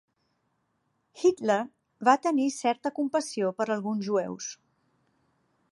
Hitler va tenir certa compassió per alguns jueus.